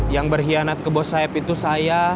yang berkhianat ke bos sayap itu saya